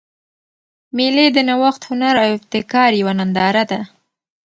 مېلې د نوښت، هنر او ابتکار یوه ننداره ده.